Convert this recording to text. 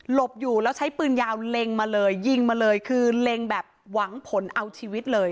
บอยู่แล้วใช้ปืนยาวเล็งมาเลยยิงมาเลยคือเล็งแบบหวังผลเอาชีวิตเลย